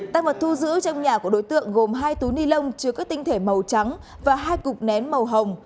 tăng vật thu giữ trong nhà của đối tượng gồm hai túi ni lông chứa các tinh thể màu trắng và hai cục nén màu hồng